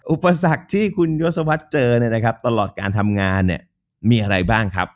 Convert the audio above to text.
อุปสรรคที่คุณยศวรรษเจอตลอดการทำงานเนี่ยมีอะไรบ้างครับ